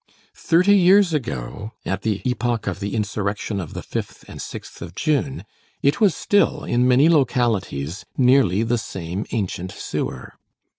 Thirty years ago, at the epoch of the insurrection of the 5th and 6th of June, it was still, in many localities, nearly the same ancient sewer.